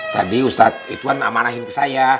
tadi ustadz ituan amanahin ke saya